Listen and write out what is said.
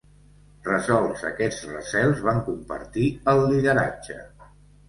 Resolts aquests recels, van compartir el lideratge.